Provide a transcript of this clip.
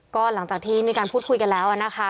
ก็หลังจากที่มีการพูดคุยกันแล้วนะคะ